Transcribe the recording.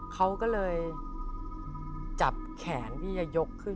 เขาก็เลยจับแขนพี่จะยกขึ้น